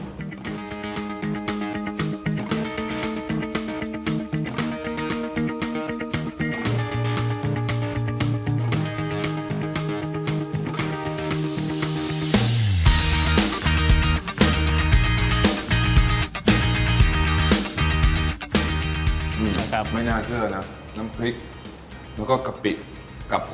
อืมครับไม่น่าเชื่อน้ำน้ำพริกแล้วก็กะปิกับครับ